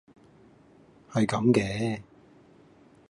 係咁嘅